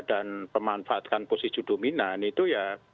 dan pemanfaatkan posisi dominan itu ya